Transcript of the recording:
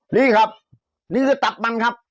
นี่ครับนี่คือตัดมันครับ